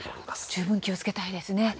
十分気をつけたいですね。